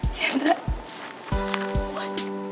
malah aku mau ngether sebowang npj ouais